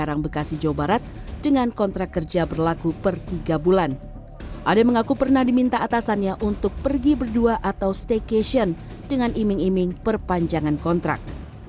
ade mengaku pernah diminta atasannya untuk pergi berdua atau staycation dengan iming iming perpanjangan kontrak